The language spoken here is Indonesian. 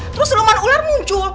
terus rumahan ular muncul